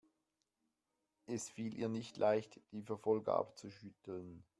Es fiel ihr nicht leicht, die Verfolger abzuschütteln.